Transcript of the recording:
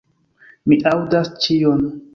Mi aŭdas ĉion.